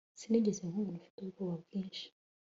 Sinigeze nkubona ufite ubwoba bwinshi